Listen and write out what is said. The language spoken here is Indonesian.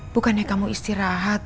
bukannya kamu istirahat